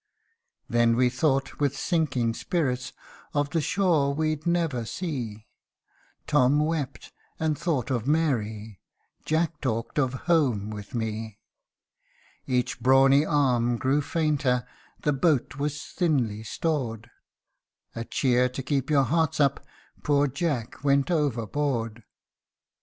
Then we thought, with sinking spirits, Of the shore we'd never see : Tom wept, and thought of Mary t Jack talked of home with me. THE BOATSWAIN'S SONG. 219 Each brawny arm grew fainter, The boat was thinly stored : A cheer to keep your hearts up Poor Jack went overboard